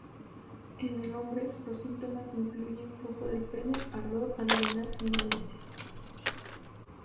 En el hombre, los síntomas incluyen flujo del pene, ardor al orinar y molestias.